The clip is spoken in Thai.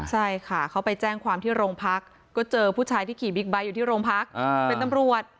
ใช่ค่ะเขาไปแจ้งความที่โรงพักก็เจอผู้ชายที่ขี่บิ๊กไบท์อยู่ที่โรงพักเป็นตำรวจ